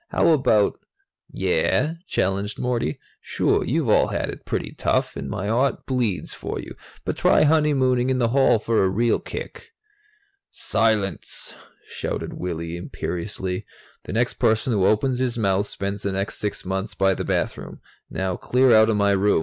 How about " "Yeah?" challenged Morty. "Sure, you've all had it pretty tough, and my heart bleeds for you. But try honeymooning in the hall for a real kick." "Silence!" shouted Willy imperiously. "The next person who opens his mouth spends the next sixth months by the bathroom. Now clear out of my room.